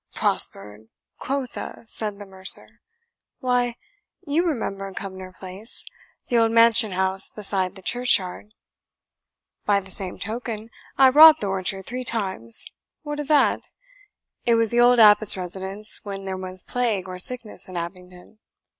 "Prospered, quotha!" said the mercer; "why, you remember Cumnor Place, the old mansion house beside the churchyard?" "By the same token, I robbed the orchard three times what of that? It was the old abbot's residence when there was plague or sickness at Abingdon."